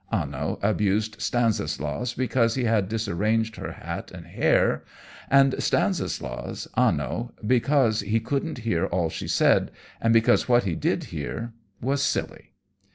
Anno abused Stanislaus, because he had disarranged her hat and hair, and Stanislaus, Anno, because he couldn't hear all she said, and because what he did hear was silly.